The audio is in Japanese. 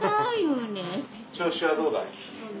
調子はどうだい？